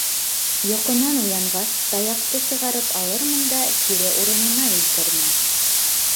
Йоҡонан уянғас, таяҡты сығарып алырмын да кире урынына илтермен.